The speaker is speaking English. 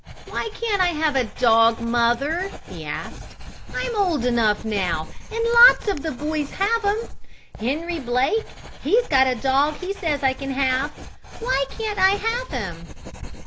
"Why can't I have a dog, mother?" he asked. "I'm old enough now, and lots of the boys have 'em! Henry Blake, he's got a dog he says I can have. Why can't I have him?"